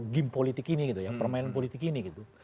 game politik ini gitu ya permainan politik ini gitu